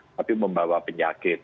tapi membawa penyakit